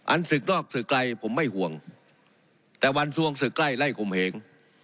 ศึกนอกศึกไกลผมไม่ห่วงแต่วันสวงศึกใกล้ไล่ข่มเหง